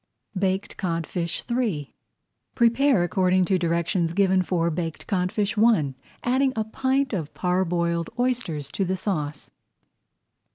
BAKED CODFISH III Prepare according to directions given for Baked Codfish I, adding a pint of parboiled oysters to the sauce.